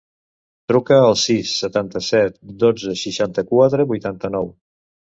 Truca al sis, setanta-set, dotze, seixanta-quatre, vuitanta-nou.